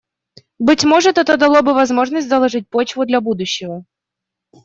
Быть может, это дало бы возможность заложить почву для будущего.